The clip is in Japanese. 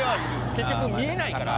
結局見えないから。